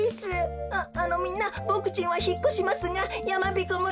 ああのみんなボクちんはひっこしますがやまびこ村。